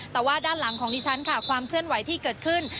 แต่ว่าด้านหลังของดิฉันค่ะความเคลื่อนไหวที่เกิดขึ้น